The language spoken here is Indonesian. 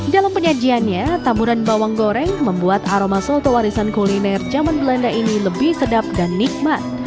dalam penyajiannya tamburan bawang goreng membuat aroma soto warisan kuliner zaman belanda ini lebih sedap dan nikmat